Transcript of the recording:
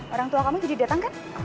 orang tua kamu jadi datang kan